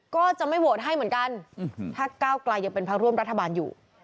ก็จะไม่โหวตให้เหมือนกันถ้าก้าวกลายยังเป็นพักร่วมรัฐบาลอยู่